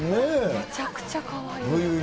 めちゃくちゃかわいい。